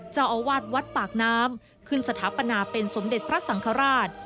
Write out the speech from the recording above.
เจ้าอาวาสวัดปากน้ำขึ้นสถาปนาเป็นสมเด็จพระสังฆราช